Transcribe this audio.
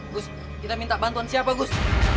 gus kita minta bantuan siapa gus